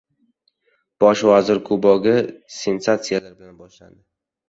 Bosh vazir kubogi sensatsiyalar bilan boshlandi